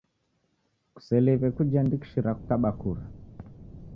Kuseliw'e kujiandikishira kukaba kura